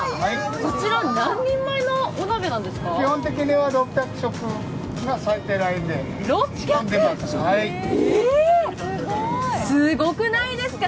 こちら、何人前のお鍋なんですか？